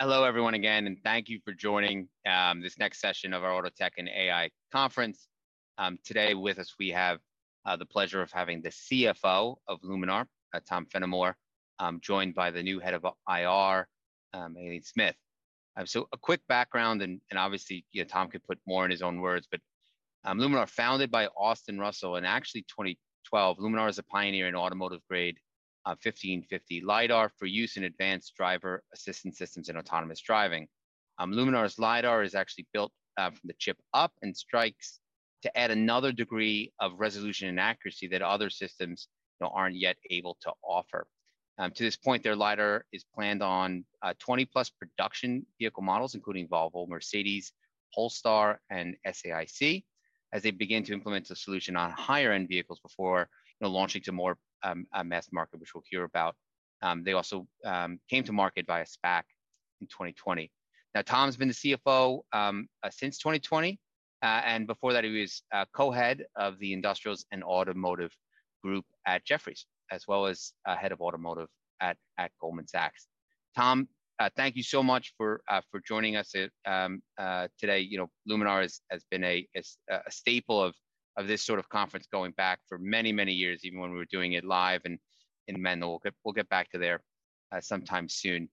Hello everyone again, and thank you for joining this next session of our Auto Tech and AI conference. Today with us we have the pleasure of having the CFO of Luminar, Tom Fennimore, joined by the new Head of IR, Aileen Smith. A quick background and obviously, you know, Tom could put more in his own words, but Luminar, founded by Austin Russell in actually 2012. Luminar is a pioneer in automotive grade 1550 nm LiDAR for use in advanced driver assistance systems in autonomous driving. Luminar's LiDAR is actually built from the chip up and strikes to add another degree of resolution and accuracy that other systems, you know, aren't yet able to offer. To this point, their LiDAR is planned on 20+ production vehicle models, including Volvo, Mercedes, Polestar and SAIC as they begin to implement the solution on higher end vehicles before, you know, launching to more a mass market, which we'll hear about. They also came to market via SPAC in 2020. Tom's been the CFO since 2020. And before that he was co-head of the industrials and automotive group at Jefferies, as well as head of automotive at Goldman Sachs. Tom, thank you so much for joining us today. You know, Luminar has been a staple of this sort of conference going back for many, many years, even when we were doing it live in Menlo. We'll get back to there sometime soon.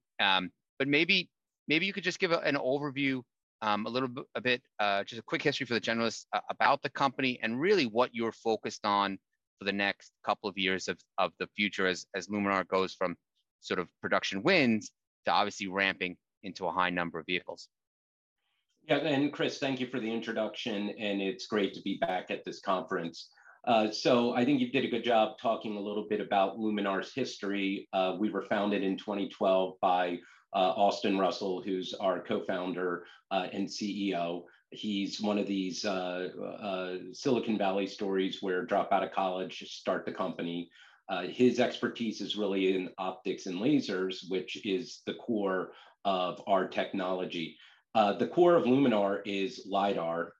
Maybe you could just give an overview, a little bit, just a quick history for the generalists about the company and really what you're focused on for the next couple of years of the future as Luminar goes from sort of production wins to obviously ramping into a high number of vehicles. Yeah. Chris, thank you for the introduction, and it's great to be back at this conference. I think you did a good job talking a little bit about Luminar's history. We were founded in 2012 by Austin Russell, who's our Co-founder and CEO. He's one of these Silicon Valley stories where drop out of college, start the company. His expertise is really in optics and lasers, which is the core of our technology. The core of Luminar is LiDAR.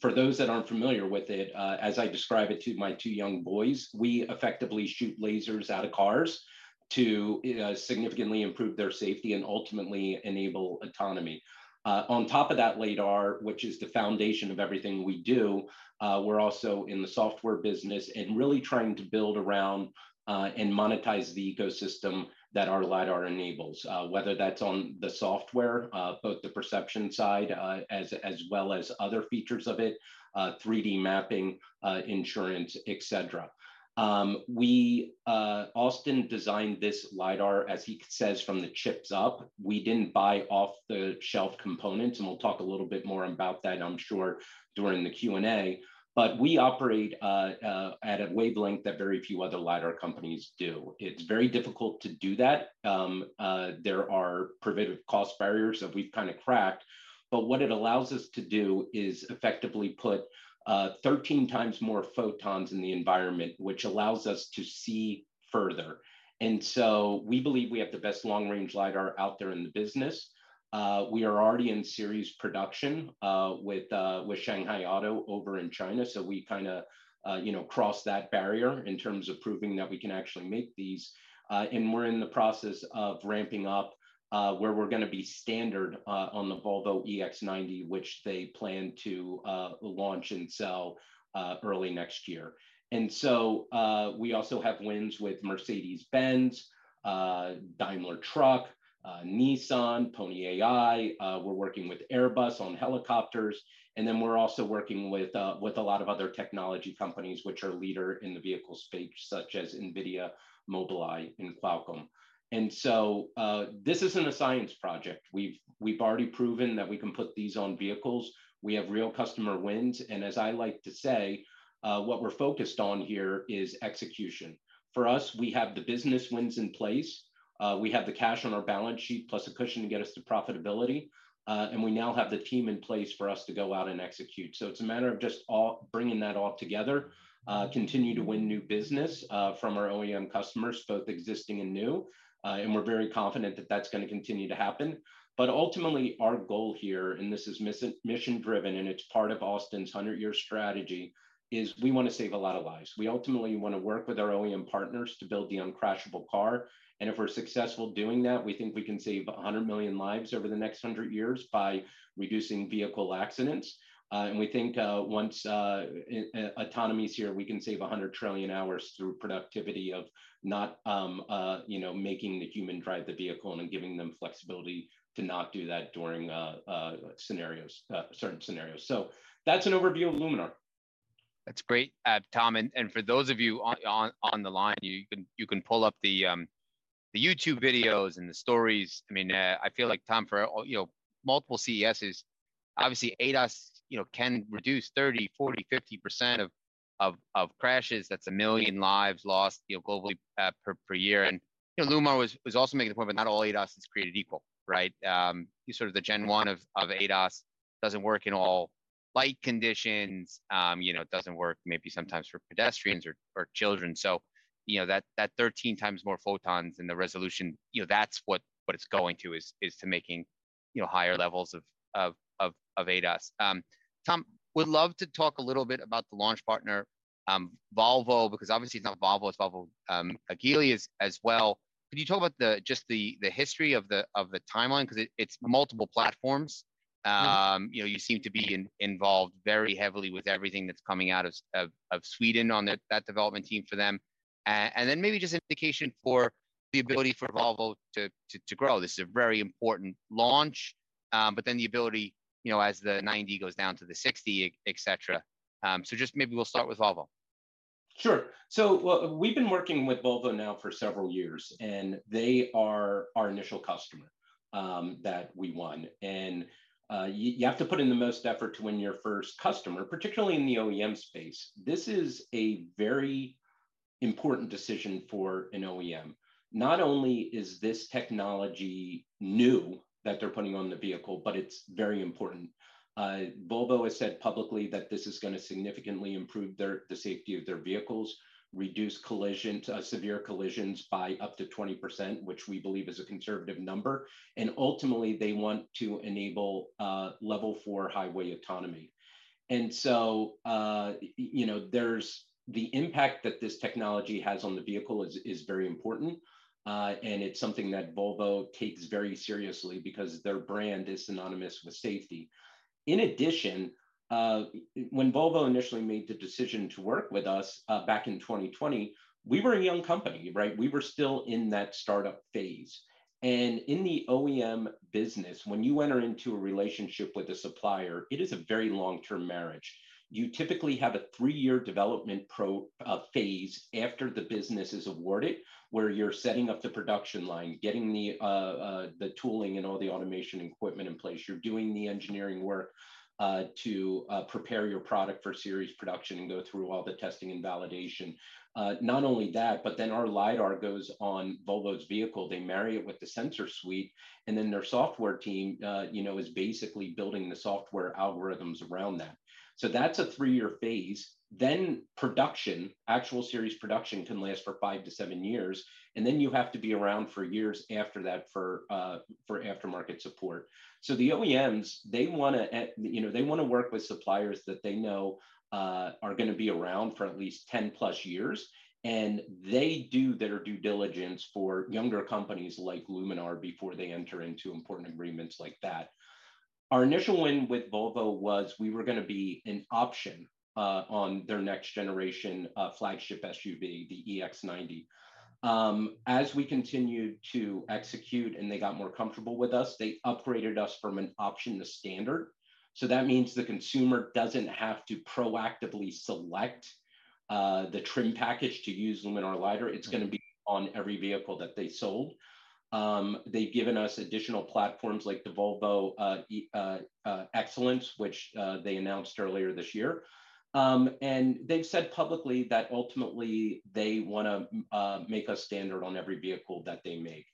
For those that aren't familiar with it, as I describe it to my two young boys, we effectively shoot lasers out of cars to significantly improve their safety and ultimately enable autonomy. On top of that LiDAR, which is the foundation of everything we do, we're also in the software business and really trying to build around and monetize the ecosystem that our LiDAR enables, whether that's on the software, both the perception side, as well as other features of it, 3D mapping, insurance, etc. Austin designed this LiDAR, as he says, from the chips up. We didn't buy off-the-shelf components, and we'll talk a little bit more about that, I'm sure, during the Q&A. We operate at a wavelength that very few other LiDAR companies do. It's very difficult to do that. There are prohibitive cost barriers that we've kind of cracked, but what it allows us to do is effectively put 13 times more photons in the environment, which allows us to see further. We believe we have the best long-range LiDAR out there in the business. We are already in series production with SAIC Motor over in China. So we kind of, you know, crossed that barrier in terms of proving that we can actually make these. And we're in the process of ramping up where we're going to be standard on the Volvo EX90, which they plan to launch and sell early next year. We also have wins with Mercedes-Benz, Daimler Truck, Nissan, Pony.ai. We're working with Airbus on helicopters, we're also working with a lot of other technology companies which are leader in the vehicle space, such as NVIDIA, Mobileye and Qualcomm. This isn't a science project. We've already proven that we can put these on vehicles. We have real customer wins. As I like to say, what we're focused on here is execution. For us, we have the business wins in place. We have the cash on our balance sheet plus a cushion to get us to profitability. We now have the team in place for us to go out and execute. It's a matter of just bringing that all together. Continue to win new business from our OEM customers, both existing and new. We're very confident that that's gonna continue to happen. Ultimately, our goal here, and this is mission-driven, and it's part of Austin's 100-year strategy, is we wanna save a lot of lives. We ultimately wanna work with our OEM partners to build the uncrashable car. If we're successful doing that, we think we can save 100 million lives over the next 100 years by reducing vehicle accidents. We think, once autonomy is here, we can save 100 trillion hours through productivity of not, you know, making the human drive the vehicle and then giving them flexibility to not do that during scenarios, certain scenarios. That's an overview of Luminar. That's great, Tom, and for those of you on the line, you can pull up the YouTube videos and the stories. I mean, I feel like Tom, for, you know, multiple CESes, obviously ADAS, you know, can reduce 30%, 40%, 50% of crashes. That's 1 million lives lost, you know, globally, per year. You know, Luminar was also making the point that not all ADAS is created equal, right? You sort of the Gen 1 of ADAS doesn't work in all light conditions. You know, it doesn't work maybe sometimes for pedestrians or children. You know, that 13 times more photons and the resolution, you know, that's what it's going to. You know, higher levels of ADAS. Tom, would love to talk a little bit about the launch partner, Volvo, because obviously it's not Volvo, it's Volvo, Geely as well. Could you talk about the, just the history of the timeline? 'Cause it's multiple platforms. You know, you seem to be involved very heavily with everything that's coming out of Sweden on the, that development team for them. Maybe just indication for the ability for Volvo to grow. This is a very important launch, but then the ability, you know, as the EX90 goes down to the EX60, etc. Just maybe we'll start with Volvo. Sure. We've been working with Volvo now for several years, and they are our initial customer that we won. You have to put in the most effort to win your first customer, particularly in the OEM space. This is a very important decision for an OEM. Not only is this technology new that they're putting on the vehicle, but it's very important. Volvo has said publicly that this is gonna significantly improve the safety of their vehicles, reduce collisions, severe collisions by up to 20%, which we believe is a conservative number, and ultimately they want to enable Level 4 highway autonomy. You know, the impact that this technology has on the vehicle is very important, and it's something that Volvo takes very seriously because their brand is synonymous with safety. In addition, when Volvo initially made the decision to work with us, back in 2020, we were a young company, right? We were still in that startup phase. In the OEM business, when you enter into a relationship with a supplier, it is a very long-term marriage. You typically have a three-year development phase after the business is awarded, where you're setting up the production line, getting the tooling and all the automation equipment in place. You're doing the engineering work to prepare your product for series production and go through all the testing and validation. Not only that, our LiDAR goes on Volvo's vehicle. They marry it with the sensor suite, their software team, you know, is basically building the software algorithms around that. That's a three-year phase. Production, actual series production can last for 5-7 years, and then you have to be around for years after that for aftermarket support. The OEMs, they wanna, you know, they wanna work with suppliers that they know are gonna be around for at least 10+ years, and they do their due diligence for younger companies like Luminar before they enter into important agreements like that. Our initial win with Volvo was we were gonna be an option on their next generation flagship SUV, the EX90. As we continued to execute and they got more comfortable with us, they upgraded us from an option to standard. That means the consumer doesn't have to proactively select the trim package to use Luminar LiDAR. It's gonna be on every vehicle that they sold. They've given us additional platforms like the Volvo Excellence, which they announced earlier this year. They've said publicly that ultimately they wanna make us standard on every vehicle that they make.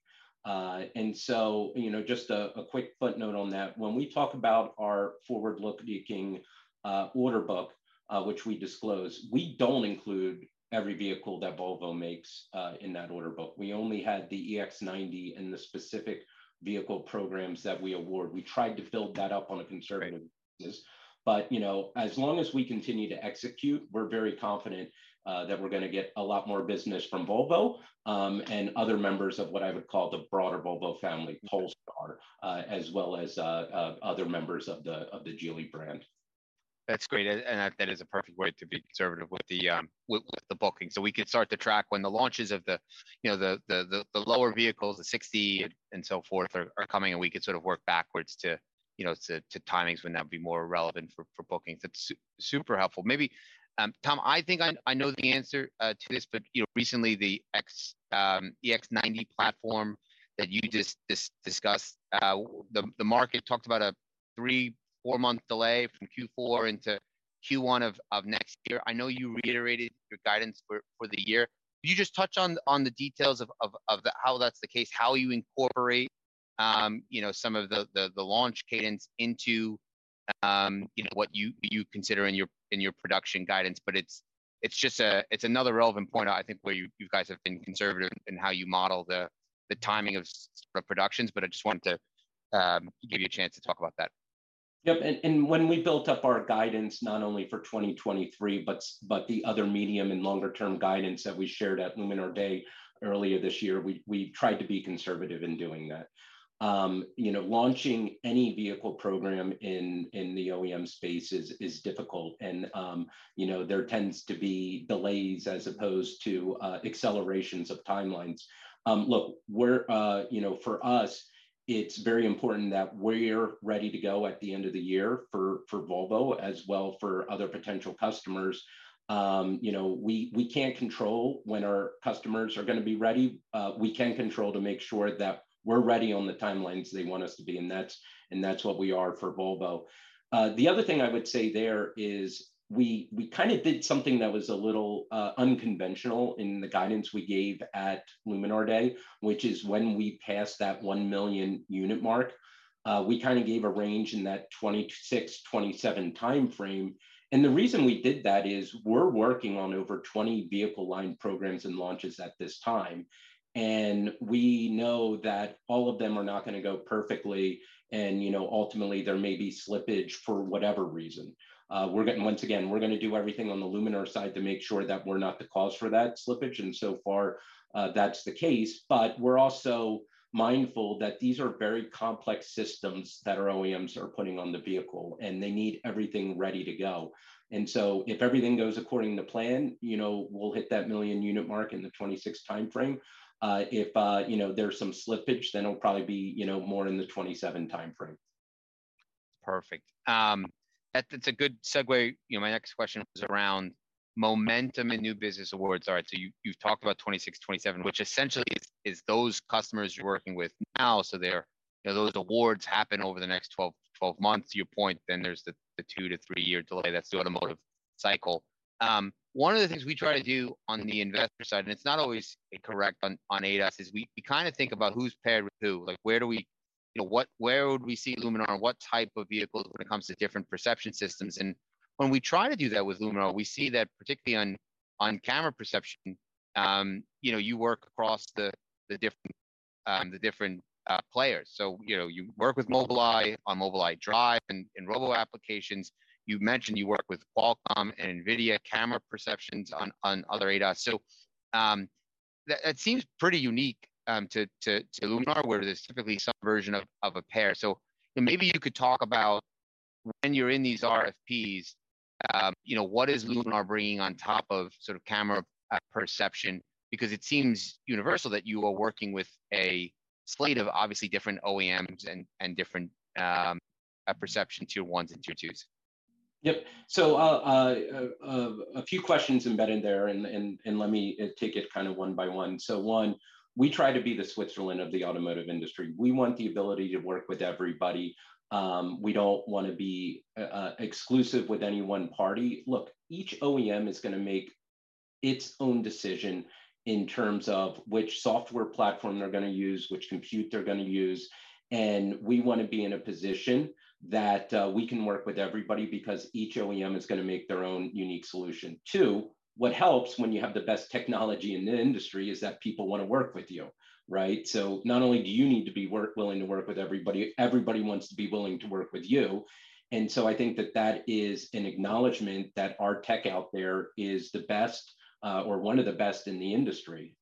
You know, just a quick footnote on that. When we talk about our forward-looking order book, which we disclose, we don't include every vehicle that Volvo makes in that order book. We only had the EX90 and the specific vehicle programs that we award. We tried to build that up on a conservative basis. You know, as long as we continue to execute, we're very confident that we're gonna get a lot more business from Volvo and other members of what I would call the broader Volvo family. Polestar, as well as, other members of the Geely brand. That's great. That is a perfect way to be conservative with the booking. We can start to track when the launches of the, you know, the lower vehicles, the EX60 and so forth are coming, and we can sort of work backwards to, you know, to timings when that would be more relevant for bookings. It's super helpful. Maybe, Tom, I think I know the answer to this. You know, recently the EX90 platform that you just discussed, the market talked about a 3-4 month delay from Q4 into Q1 of next year. I know you reiterated your guidance for the year. Could you just touch on the details of the, how that's the case? How you incorporate, you know, some of the, the launch cadence into, you know, what you consider in your, in your production guidance. It's, it's just a, it's another relevant point I think where you guys have been conservative in how you model the timing of productions. I just wanted to, give you a chance to talk about that. Yep. When we built up our guidance, not only for 2023, but the other medium and longer term guidance that we shared at Luminar Day earlier this year, we tried to be conservative in doing that. You know, launching any vehicle program in the OEM space is difficult and, you know, there tends to be delays as opposed to accelerations of timelines. Look, we're, you know, for us, it's very important that we're ready to go at the end of the year for Volvo, as well for other potential customers. You know, we can't control when our customers are gonna be ready. We can control to make sure that we're ready on the timelines they want us to be, and that's what we are for Volvo. The other thing I would say there is we kind of did something that was a little unconventional in the guidance we gave at Luminar Day, which is when we passed that 1 million unit mark, we kind of gave a range in that 2026-2027 timeframe. The reason we did that is we're working on over 20 vehicle line programs and launches at this time. We know that all of them are not gonna go perfectly and, you know, ultimately there may be slippage for whatever reason. Once again, we're gonna do everything on the Luminar side to make sure that we're not the cause for that slippage, and so far, that's the case. We're also mindful that these are very complex systems that our OEMs are putting on the vehicle, and they need everything ready to go. If everything goes according to plan, you know, we'll hit that 1 million unit mark in the 2026 timeframe. If, you know, there's some slippage, it'll probably be, you know, more in the 2027 timeframe. Perfect. That's a good segue. You know, my next question was around momentum and new business awards. You've talked about 2026, 2027, which essentially is those customers you're working with now, so you know, those awards happen over the next 12 months. To your point, then there's the 2-3 years delay. That's the automotive cycle. One of the things we try to do on the investor side, and it's not always incorrect on ADAS, is we kind of think about who's paired with who. Like, where would we see Luminar and what type of vehicles when it comes to different perception systems? When we try to do that with Luminar, we see that particularly on camera perception, you know, you work across the different players. You know, you work with Mobileye on Mobileye Drive in robo applications. You've mentioned you work with Qualcomm and NVIDIA camera perceptions on other ADAS. That seems pretty unique to Luminar, where there's typically some version of a pair. Maybe you could talk about when you're in these RFPs, you know, what is Luminar bringing on top of sort of camera perception, because it seems universal that you are working with a slate of obviously different OEMs and different perception Tier 1s and Tier 2s. Yep. A few questions embedded there and let me take it kind of one by one. One, we try to be the Switzerland of the automotive industry. We want the ability to work with everybody. We don't wanna be exclusive with any one party. Look, each OEM is gonna make its own decision in terms of which software platform they're gonna use, which compute they're gonna use, and we wanna be in a position that we can work with everybody because each OEM is gonna make their own unique solution. Two, what helps when you have the best technology in the industry is that people wanna work with you, right? Not only do you need to be willing to work with everybody wants to be willing to work with you. I think that that is an acknowledgement that our tech out there is the best, or one of the best in the industry.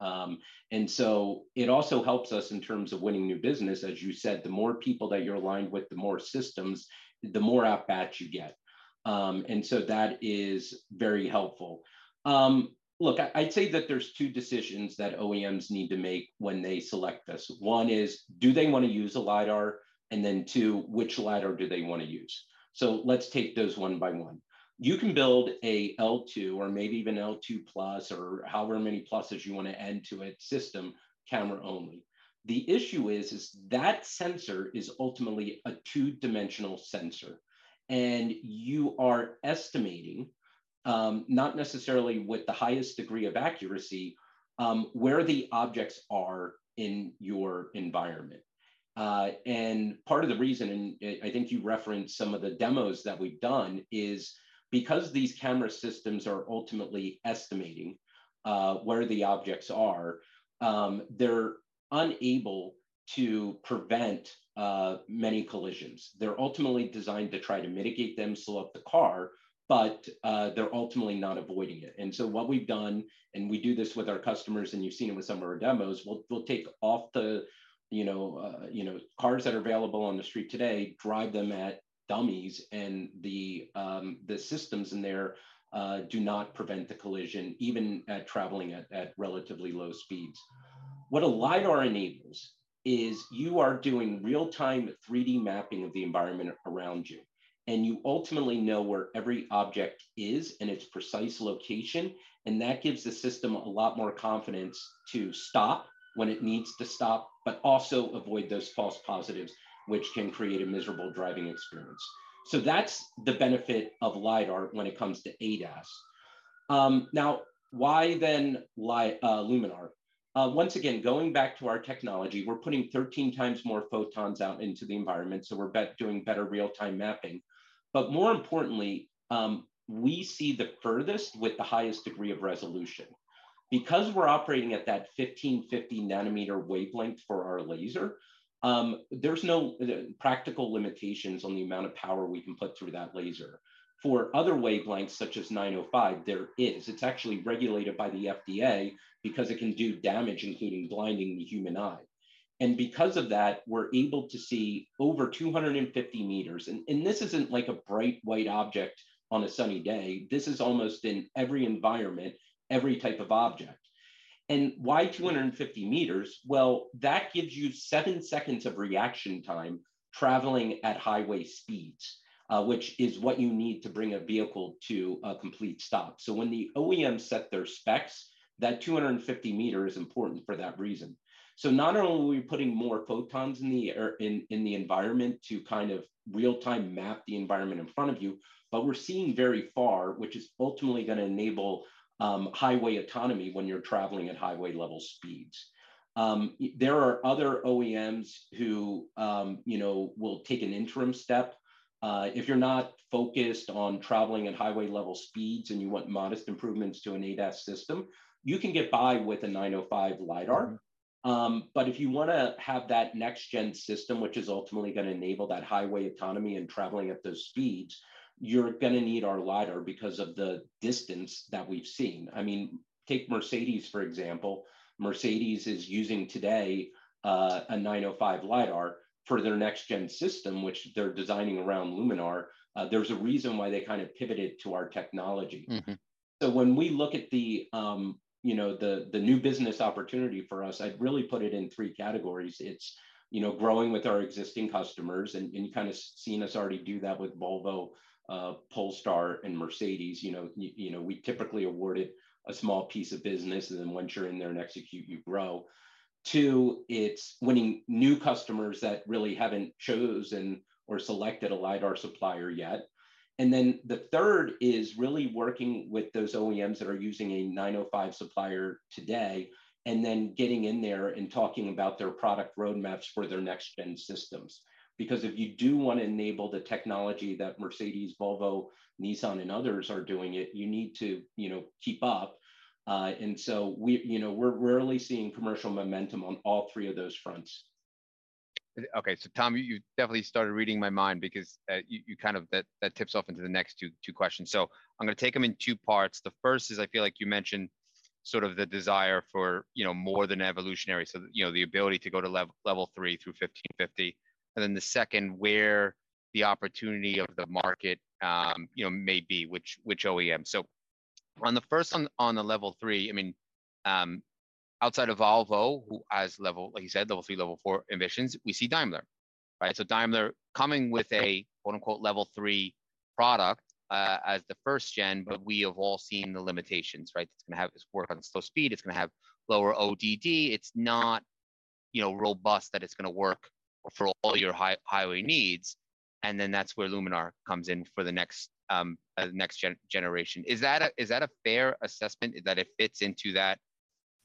It also helps us in terms of winning new business. As you said, the more people that you're aligned with, the more systems, the more at-bats you get. That is very helpful. Look, I'd say that there's two decisions that OEMs need to make when they select this. One is, do they wanna use a LiDAR? Two, which LiDAR do they wanna use? Let's take those one by one. You can build a L2 or maybe even L2+ or however many pluses you wanna add to it system camera only. The issue is that sensor is ultimately a two-dimensional sensor, and you are estimating, not necessarily with the highest degree of accuracy, where the objects are in your environment. Part of the reason, and I think you referenced some of the demos that we've done, is because these camera systems are ultimately estimating, where the objects are, they're unable to prevent many collisions. They're ultimately designed to try to mitigate them, slow up the car, they're ultimately not avoiding it. What we've done, and we do this with our customers, and you've seen it with some of our demos, we'll take off the, you know, you know, cars that are available on the street today, drive them at dummies, and the systems in there, do not prevent the collision, even at traveling at relatively low speeds. What a LiDAR enables is you are doing real-time, 3D mapping of the environment around you, and you ultimately know where every object is and its precise location, and that gives the system a lot more confidence to stop when it needs to stop, but also avoid those false positives, which can create a miserable driving experience. That's the benefit of LiDAR when it comes to ADAS. Now, why then Luminar? Once again, going back to our technology, we're putting 13 times more photons out into the environment, so we're doing better real-time mapping. More importantly, we see the furthest with the highest degree of resolution. Because we're operating at that 1550 nm wavelength for our laser, there's no practical limitations on the amount of power we can put through that laser. For other wavelengths, such as 905 nm, there is. It's actually regulated by the FDA because it can do damage, including blinding the human eye. Because of that, we're able to see over 250 meters. And this isn't like a bright white object on a sunny day. This is almost in every environment, every type of object. Why 250 meters? That gives you 7 seconds of reaction time traveling at highway speeds, which is what you need to bring a vehicle to a complete stop. When the OEMs set their specs, that 250 meter is important for that reason. Not only are we putting more photons in the air, in the environment to kind of real-time map the environment in front of you, but we're seeing very far, which is ultimately gonna enable highway autonomy when you're traveling at highway-level speeds. There are other OEMs who, you know, will take an interim step. If you're not focused on traveling at highway-level speeds and you want modest improvements to an ADAS system, you can get by with a 905 LiDAR. If you wanna have that next gen system, which is ultimately gonna enable that highway autonomy and traveling at those speeds, you're gonna need our LiDAR because of the distance that we've seen. I mean, take Mercedes, for example. Mercedes is using today, a 905 LiDAR for their next gen system, which they're designing around Luminar. There's a reason why they kind of pivoted to our technology. When we look at the, you know, the new business opportunity for us, I'd really put it in three categories. It's, you know, growing with our existing customers and you kind of seen us already do that with Volvo, Polestar, and Mercedes. You know, you know, we typically awarded a small piece of business, and then once you're in there and execute, you grow. Two, it's winning new customers that really haven't chosen or selected a LiDAR supplier yet. The third is really working with those OEMs that are using a 905 supplier today, and then getting in there and talking about their product roadmaps for their next gen systems. Because if you do wanna enable the technology that Mercedes, Volvo, Nissan, and others are doing it, you need to, you know, keep up. You know, we're rarely seeing commercial momentum on all three of those fronts. Tom, you definitely started reading my mind because that tips off into the next two questions. I'm gonna take them in two parts. The first is I feel like you mentioned sort of the desire for, you know, more than evolutionary. The ability to go to Level 3 through 1550. The second, where the opportunity of the market, you know, may be, which OEM. On the first one, on the Level 3, I mean, outside of Volvo, who has level, like you said, Level 3, Level 4 ambitions, we see Daimler, right? Daimler coming with a quote unquote Level 3 product as the first gen, we have all seen the limitations, right? It's work on slow speed, it's gonna have lower ODD. It's not, you know, robust that it's gonna work for all your highway needs. Then that's where Luminar comes in for the next generation. Is that a fair assessment that it fits into that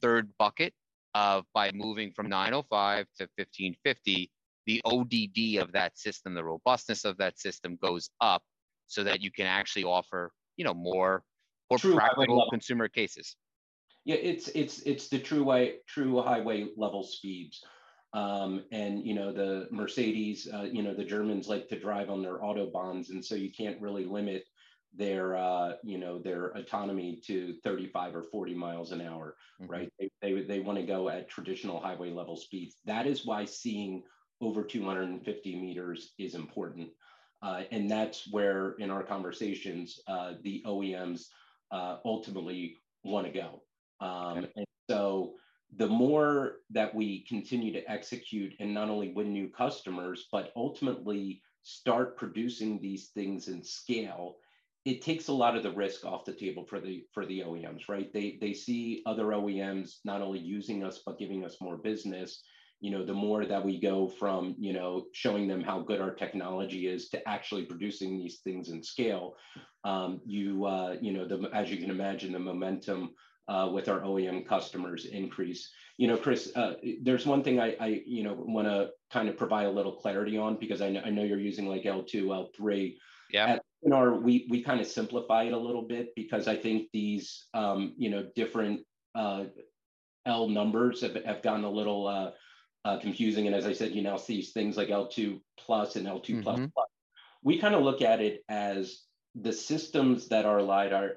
third bucket of by moving from 905 to 1550, the ODD of that system, the robustness of that system goes up so that you can actually offer more practical consumer cases? True highway level. Yeah. It's the true highway level speeds. You know, the Mercedes-Benz, you know, the Germans like to drive on their autobahns, you can't really limit their, you know, their autonomy to 35 mph or 40 mph, right? Mm-hmm. They wanna go at traditional highway level speeds. That is why seeing over 250 meters is important. And that's where in our conversations, the OEMs ultimately wanna go. The more that we continue to execute and not only win new customers, but ultimately start producing these things in scale, it takes a lot of the risk off the table for the OEMs, right? They, they see other OEMs not only using us, but giving us more business. You know, the more that we go from, you know, showing them how good our technology is to actually producing these things in scale, you know, the, as you can imagine, the momentum with our OEM customers increase. You know, Chris, there's one thing I wanna kind of provide a little clarity on because I know you're using like L2, L3. Go ahead. At Luminar, we kind of simplify it a little bit because I think these, you know, different L numbers have gotten a little confusing. As I said, you now see things like L2+ and L2++. We kind of look at it as the systems that our LiDAR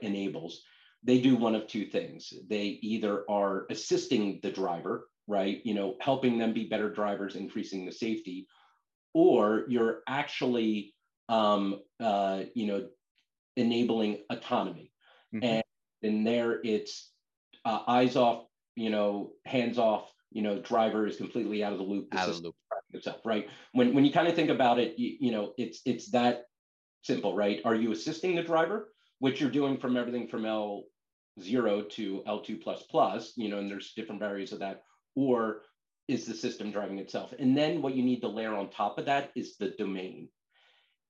enables, they do one of two things. They either are assisting the driver, right, you know, helping them be better drivers, increasing the safety, or you're actually, you know, enabling autonomy. In there, it's eyes off, you know, hands off, you know, driver is completely out of the loop- Out of the loop. Driving itself, right? When you kind of think about it, you know, it's that simple, right? Are you assisting the driver, which you're doing from everything from L0 to L2++, you know, and there's different varies of that, or is the system driving itself? What you need to layer on top of that is the domain.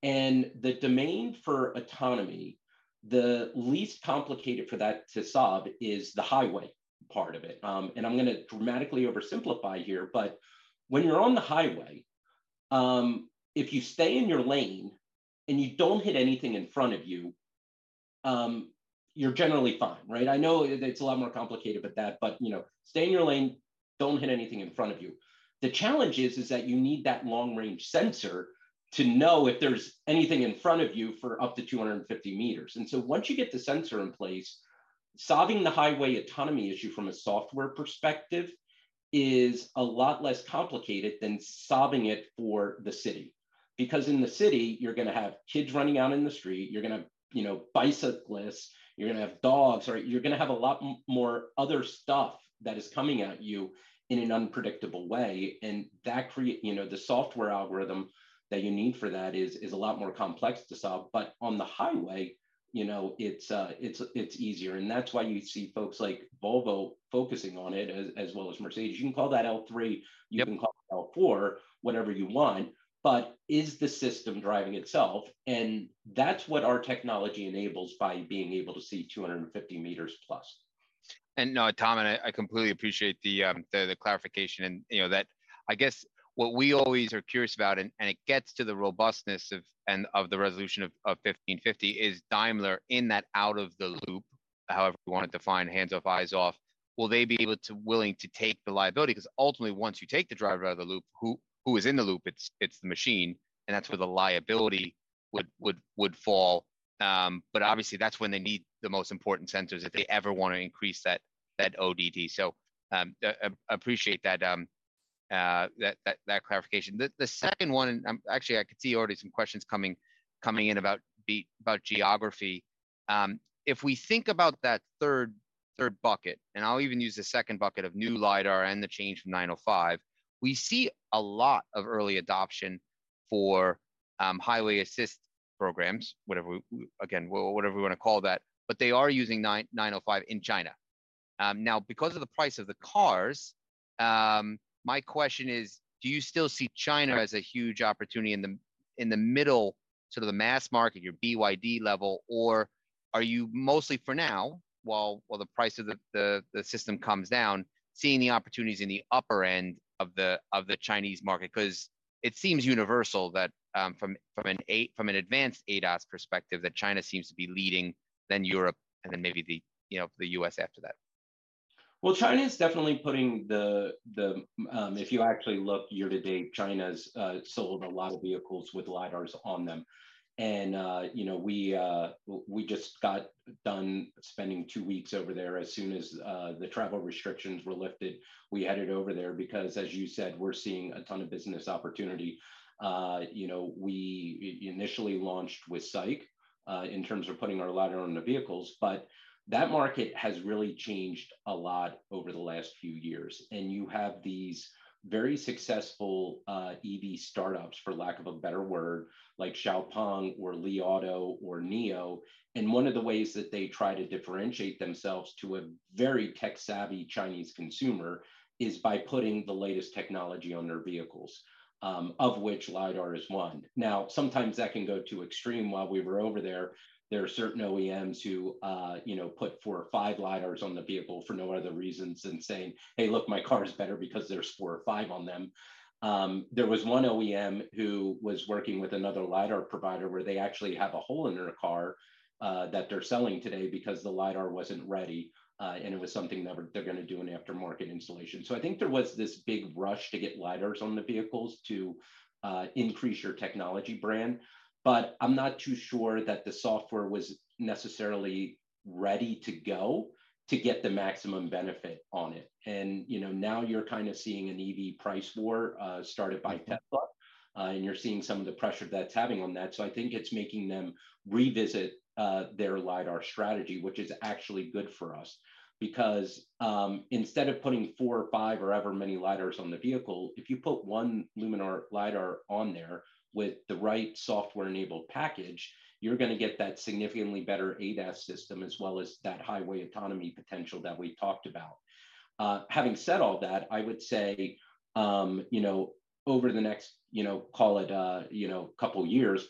The domain for autonomy, the least complicated for that to solve is the highway part of it. I'm gonna dramatically oversimplify here. When you're on the highway, if you stay in your lane and you don't hit anything in front of you're generally fine, right? I know it's a lot more complicated but that. You know, stay in your lane, don't hit anything in front of you. The challenge is that you need that long-range sensor to know if there's anything in front of you for up to 250 meters. Once you get the sensor in place, solving the highway autonomy issue from a software perspective is a lot less complicated than solving it for the city. Because in the city, you're gonna have kids running out in the street, you're gonna have, you know, bicyclists, you're gonna have dogs, or you're gonna have a lot more other stuff that is coming at you in an unpredictable way. That, you know, the software algorithm that you need for that is a lot more complex to solve. On the highway, you know, it's easier. That's why you see folks like Volvo focusing on it as well as Mercedes. You can call that L3, you can call it L4, whatever you want, but is the system driving itself? That's what our technology enables by being able to see 250 meters+. Tom, I completely appreciate the clarification and, you know, that I guess what we always are curious about, and it gets to the robustness of, and of the resolution of 1550 is Daimler in that out of the loop, however you want to define hands off, eyes off, will they be willing to take the liability? 'Cause ultimately, once you take the driver out of the loop, who is in the loop? It's the machine, and that's where the liability would fall. But obviously, that's when they need the most important sensors if they ever wanna increase that ODD. Appreciate that clarification. The second one, actually I could see already some questions coming in about geography. If we think about that third bucket, and I'll even use the second bucket of new LiDAR and the change from 905 nm, we see a lot of early adoption for highway assist programs, whatever again, whatever we wanna call that. They are using 905 nm in China. Now, because of the price of the cars, my question is, do you still see China as a huge opportunity in the middle, sort of the mass market, your BYD level? Or are you mostly for now, while the price of the system comes down, seeing the opportunities in the upper end of the, of the Chinese market? 'Cause it seems universal that from an advanced ADAS perspective, that China seems to be leading, then Europe, and then maybe the, you know, the U.S. after that. Well, China's definitely putting the... If you actually look year to date, China's sold a lot of vehicles with LiDAR on them. you know, we just got done spending two weeks over there. As soon as the travel restrictions were lifted, we headed over there because, as you said, we're seeing a ton of business opportunity. We initially launched with SAIC in terms of putting our LiDAR on the vehicles. that market has really changed a lot over the last few years, and you have these very successful EV startups, for lack of a better word, like XPeng or Li Auto or NIO. one of the ways that they try to differentiate themselves to a very tech-savvy Chinese consumer is by putting the latest technology on their vehicles, of which LiDAR is one. Sometimes that can go too extreme. While we were over there are certain OEMs who, you know, put 4 or 5 LiDARs on the vehicle for no other reasons than saying, "Hey, look, my car is better because there's 4 or 5 on them." There was one OEM who was working with another LiDAR provider where they actually have a hole in their car, that they're selling today because the LiDAR wasn't ready, and it was something that they're gonna do an aftermarket installation. I think there was this big rush to get LiDARs on the vehicles to, increase your technology brand, but I'm not too sure that the software was necessarily ready to go to get the maximum benefit on it. You know, now you're kind of seeing an EV price war, started by Tesla, and you're seeing some of the pressure that's having on that. I think it's making them revisit their LiDAR strategy, which is actually good for us. Instead of putting 4 or 5 or however many LiDARs on the vehicle, if you put 1 Luminar LiDAR on there with the right software-enabled package, you're gonna get that significantly better ADAS system as well as that highway autonomy potential that we talked about. Having said all that, I would say, you know, over the next, you know, call it, you know, ±2 years,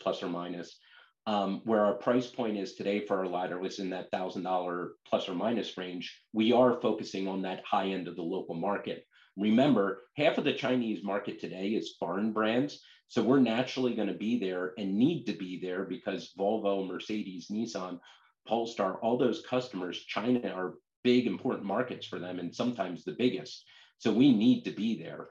where our price point is today for our LiDAR was in that ±$1,000 range. We are focusing on that high end of the local market. Remember, half of the Chinese market today is foreign brands. We're naturally gonna be there and need to be there because Volvo, Mercedes-Benz, Nissan, Polestar, all those customers, China are big, important markets for them, and sometimes the biggest. We need to be there.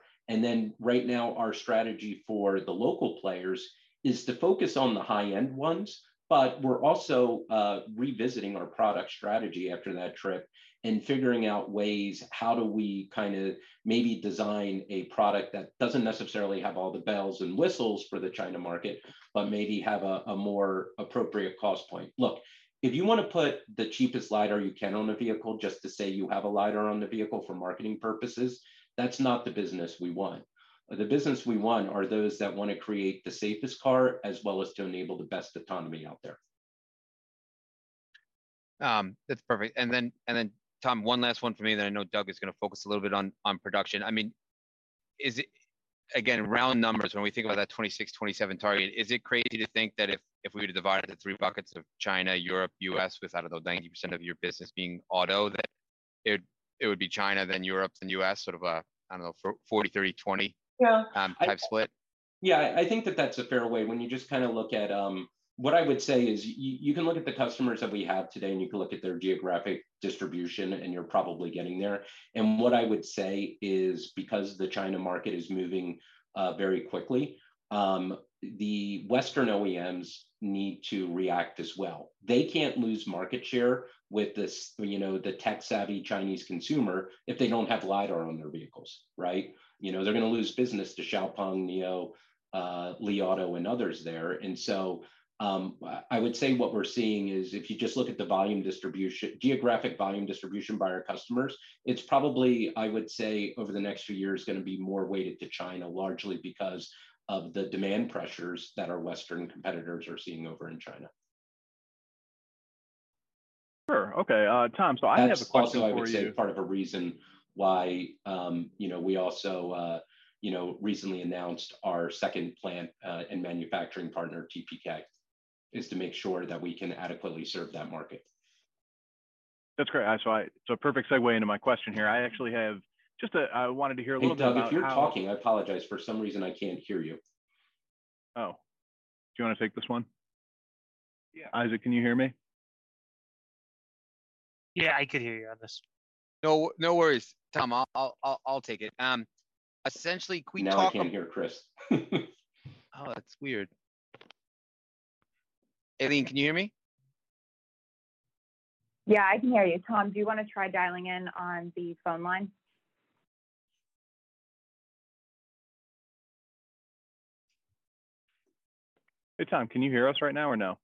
Right now our strategy for the local players is to focus on the high-end ones, but we're also revisiting our product strategy after that trip and figuring out ways, how do we kind of maybe design a product that doesn't necessarily have all the bells and whistles for the China market, but maybe have a more appropriate cost point. Look, if you wanna put the cheapest LiDAR you can on a vehicle just to say you have a LiDAR on the vehicle for marketing purposes, that's not the business we want. The business we want are those that wanna create the safest car as well as to enable the best autonomy out there. That's perfect. Tom, one last one from me, then I know Doug is gonna focus a little bit on production. I mean, again, round numbers, when we think about that 2026, 2027 target, is it crazy to think that if we were to divide it into three buckets of China, Europe, U.S., with, I don't know, 90% of your business being auto, that it would be China, then Europe, then U.S., sort of a, I don't know, for 40/30/20-type split? Yeah, I think that that's a fair way. When you just kind of look at... What I would say is you can look at the customers that we have today, and you can look at their geographic distribution, and you're probably getting there. What I would say is because the China market is moving very quickly, the Western OEMs need to react as well. They can't lose market share with the you know, the tech-savvy Chinese consumer if they don't have LiDAR on their vehicles, right? You know, they're gonna lose business to XPeng, NIO, Li Auto, and others there. I would say what we're seeing is if you just look at the geographic volume distribution by our customers, it's probably, I would say, over the next few years gonna be more weighted to China, largely because of the demand pressures that our Western competitors are seeing over in China. Sure. Okay. Tom, I have a question for you. That's also, I would say, part of a reason why we also recently announced our second plant, and manufacturing partner, TPK, is to make sure that we can adequately serve that market. That's great. It's a perfect segue into my question here. I actually have wanted to hear a little bit about how. Hey, Doug, if you're talking, I apologize. For some reason I can't hear you. Oh. Do you wanna take this one? Isaac, can you hear me? No, no worries. Tom, I'll take it. Now I can't hear Chris. Oh, that's weird. Aileen, can you hear me? Yeah, I can hear you. Tom, do you wanna try dialing in on the phone line? Hey, Tom, can you hear us right now or no?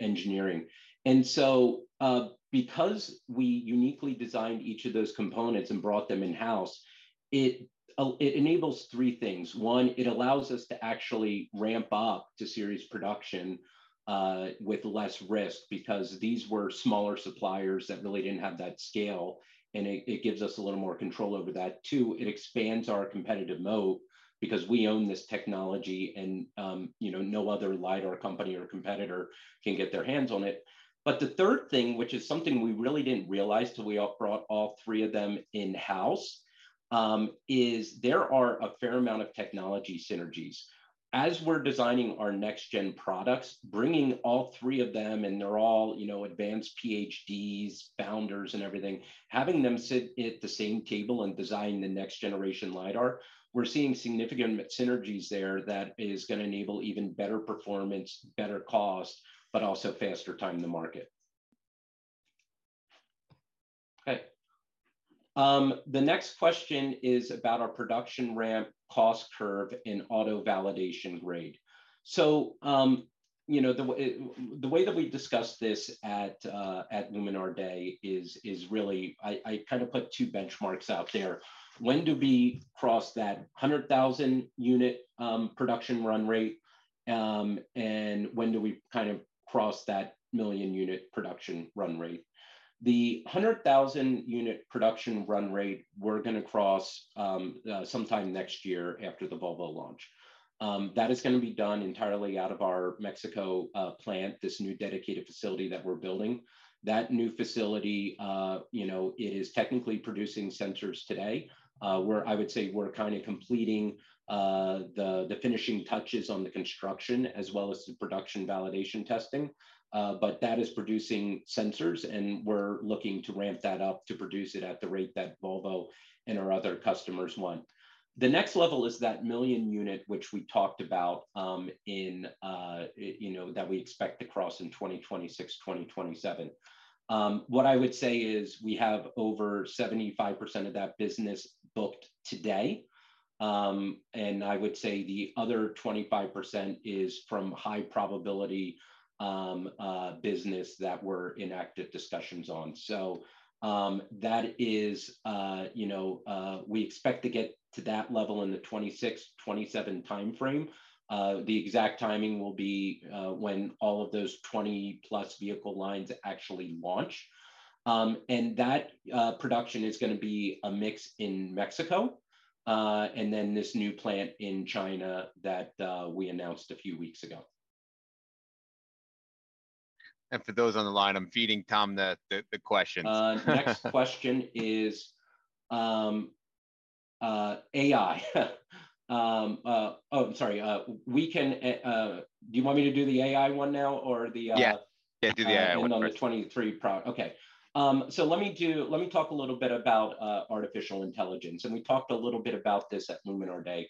Engineering. Because we uniquely designed each of those components and brought them in-house, it enables three things. One, it allows us to actually ramp up to series production with less risk because these were smaller suppliers that really didn't have that scale, and it gives us a little more control over that. Two, it expands our competitive moat because we own this technology and, you know, no other LiDAR company or competitor can get their hands on it. The third thing, which is something we really didn't realize till we all brought all three of them in-house, is there are a fair amount of technology synergies. As we're designing our next-gen products, bringing all three of them, and they're all, you know, advanced PhDs, founders and everything, having them sit at the same table and design the next generation LiDAR, we're seeing significant synergies there that is gonna enable even better performance, better cost, but also faster time to market. Okay. The next question is about our production ramp cost curve in auto validation grade. The way that we discussed this at Luminar Day is really I kind of put two benchmarks out there. When do we cross that 100,000 unit production run rate, and when do we kind of cross that 1 million unit production run rate? The 100,000 unit production run rate we're gonna cross sometime next year after the Volvo launch. That is gonna be done entirely out of our Mexico plant, this new dedicated facility that we're building. That new facility, you know, it is technically producing sensors today. I would say we're kind of completing the finishing touches on the construction as well as the production validation testing. That is producing sensors, and we're looking to ramp that up to produce it at the rate that Volvo and our other customers want. The next level is that 1 million unit which we talked about, you know, that we expect to cross in 2026, 2027. What I would say is we have over 75% of that business booked today, and I would say the other 25% is from high probability business that we're in active discussions on. That is, you know, we expect to get to that level in the 2026/2027 timeframe. The exact timing will be when all of those 20+ vehicle lines actually launch. That production is gonna be a mix in Mexico, and then this new plant in China that we announced a few weeks ago. For those on the line, I'm feeding Tom the questions. Next question is AI. Do you want me to do the AI one now or the? Yeah, yeah, do the AI one first. The one on the 2023. Okay. Let me talk a little bit about artificial intelligence, and we talked a little bit about this at Luminar Day.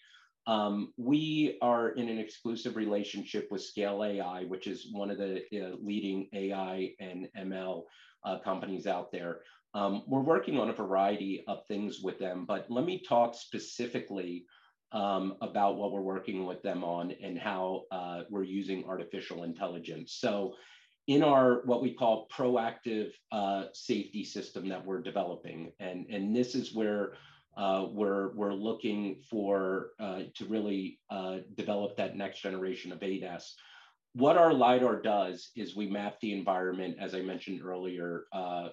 We are in an exclusive relationship with Scale AI, which is one of the leading AI and ML companies out there. We're working on a variety of things with them, but let me talk specifically about what we're working with them on and how we're using artificial intelligence. In our, what we call Proactive Safety system that we're developing, and this is where we're looking for to really develop that next generation of ADAS. What our LiDAR does is we map the environment, as I mentioned earlier,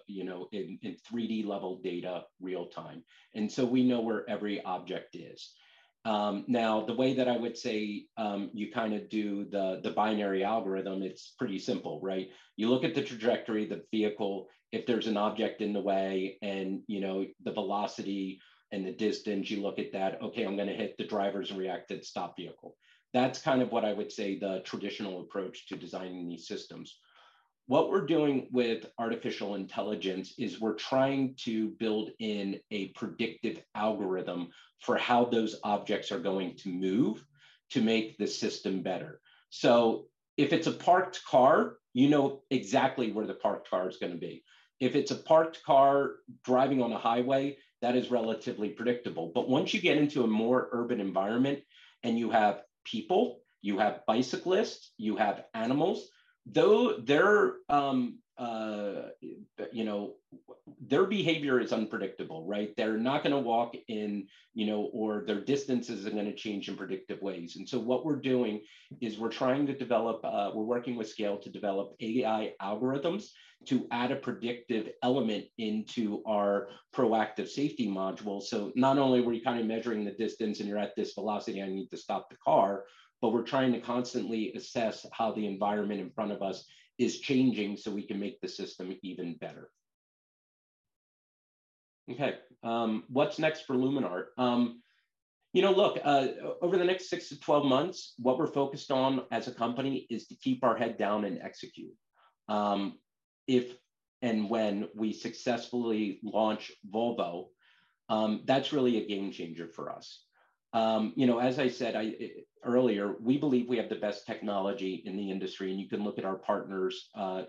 you know, in 3D level data real time, and so we know where every object is. Now the way that I would say, you kind of do the binary algorithm, it's pretty simple, right? You look at the trajectory of the vehicle. If there's an object in the way and, you know, the velocity and the distance, you look at that. "Okay, I'm gonna hit. The driver's reacted. Stop vehicle." That's kind of what I would say the traditional approach to designing these systems. What we're doing with artificial intelligence is we're trying to build in a predictive algorithm for how those objects are going to move to make the system better. If it's a parked car, you know exactly where the parked car is gonna be. If it's a parked car driving on a highway, that is relatively predictable. Once you get into a more urban environment and you have people, you have bicyclists, you have animals, though they're, you know. Their behavior is unpredictable, right? They're not gonna walk in, you know, or their distances are gonna change in predictive ways. What we're doing is we're trying to develop, we're working with Scale to develop AI algorithms to add a predictive element into our Proactive Safety module. Not only were you kind of measuring the distance and you're at this velocity, I need to stop the car, but we're trying to constantly assess how the environment in front of us is changing so we can make the system even better. Okay. What's next for Luminar? You know, look, over the next 6-12 months, what we're focused on as a company is to keep our head down and execute. If and when we successfully launch Volvo, that's really a game changer for us. You know, as I said earlier, we believe we have the best technology in the industry, and you can look at our partners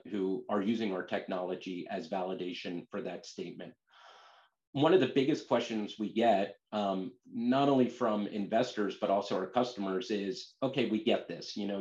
who are using our technology as validation for that statement. One of the biggest questions we get, not only from investors but also our customers is, "Okay, we get this. You know,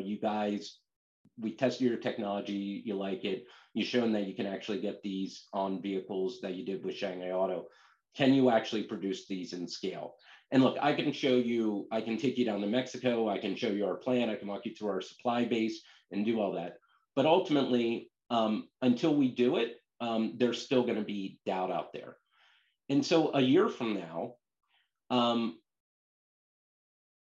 we tested your technology, you like it. You've shown that you can actually get these on vehicles that you did with Shanghai Auto. Can you actually produce these in scale? Look, I can show you, I can take you down to Mexico, I can show you our plan, I can walk you through our supply base and do all that. Ultimately, until we do it, there's still gonna be doubt out there. A year from now,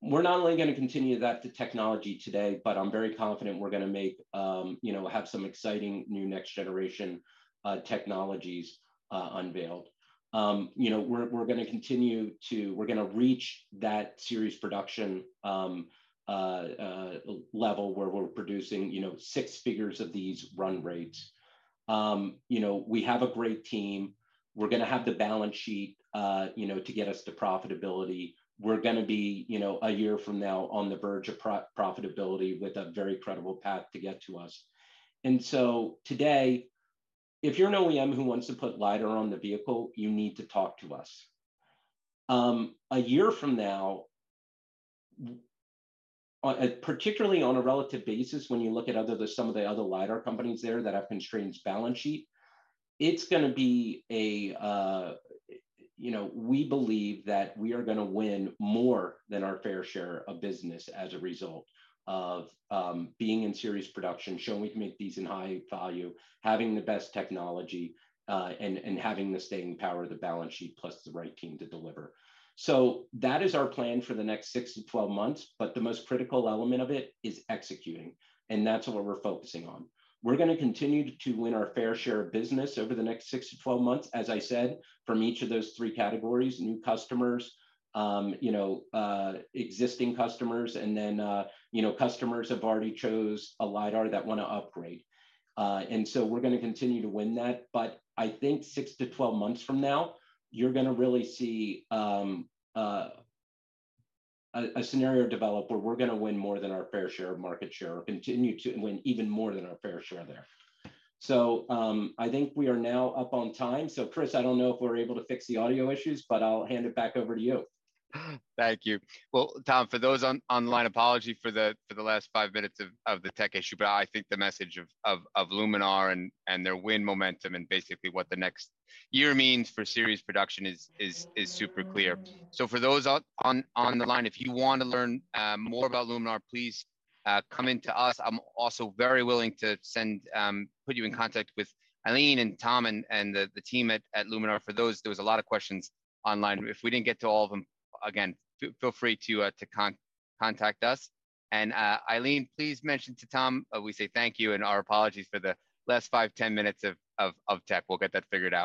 we're not only gonna continue that, the technology today, but I'm very confident we're gonna make, you know, have some exciting new next generation technologies unveiled. You know, we're gonna continue to reach that series production level where we're producing, you know, six figures of these run rates. You know, we have a great team. We're gonna have the balance sheet, you know, to get us to profitability. We're gonna be, you know, a year from now on the verge of pro-profitability with a very credible path to get to us. Today, if you're an OEM who wants to put LiDAR on their vehicle, you need to talk to us. A year from now, particularly on a relative basis when you look at some of the other LiDAR companies there that have constrained balance sheet, it's gonna be a, you know. We believe that we are gonna win more than our fair share of business as a result of being in series production, showing we can make these in high value, having the best technology, and having the staying power, the balance sheet, plus the right team to deliver. That is our plan for the next 6-12 months. The most critical element of it is executing, and that's what we're focusing on. We're gonna continue to win our fair share of business over the next 6-12 months, as I said, from each of those three categories, new customers, you know, existing customers, and then, you know, customers who have already chose a LiDAR that wanna upgrade. We're gonna continue to win that. I think 6-12 months from now, you're gonna really see a scenario develop where we're gonna win more than our fair share of market share, or continue to win even more than our fair share there. I think we are now up on time. Chris, I don't know if we're able to fix the audio issues, but I'll hand it back over to you. Thank you. Well, Tom, for those online, apology for the last five minutes of the tech issue. I think the message of Luminar and their win momentum and basically what the next year means for series production is super clear. For those on the line, if you want to learn more about Luminar, please come in to us. I'm also very willing to send, put you in contact with Aileen and Tom and the team at Luminar. For those, there was a lot of questions online. If we didn't get to all of them, again, feel free to contact us. Aileen, please mention to Tom that we say thank you and our apologies for the last 5-10 minutes of tech. We'll get that figured out.